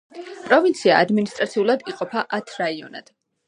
პროვინცია ადმინისტრაციულად იყოფა ათ რაიონად.